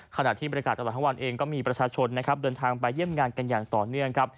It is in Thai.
ขณะที่บริการตลอดทั้งวันเองก็มีประชาชนนะครับเดินทางไปเยี่ยมงานกันอย่างต่อเนื่องครับ